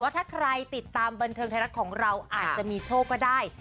ถ้าใครติดตามบันเทิงไทยรัฐของเราอาจจะมีโชคก็ได้